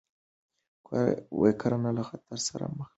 کرنه له خطر سره مخ ده.